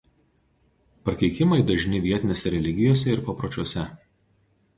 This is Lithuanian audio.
Prakeikimai dažni vietinėse religijose ir papročiuose.